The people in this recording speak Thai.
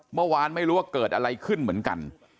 เมื่อวานไม่รู้ว่าเกิดอะไรขึ้นเหมือนกัน